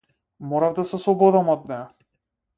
Морав да се ослободам од неа.